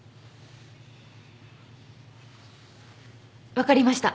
分かりました。